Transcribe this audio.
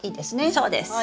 そうです！